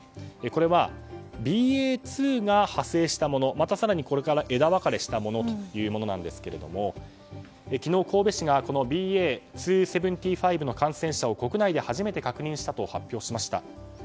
これはＢＡ．２が派生したものまた更にこれから枝分かれしたものというものですが昨日神戸市がこのＢＡ．２．７５の感染者を国内で初めて確認したと発表しました。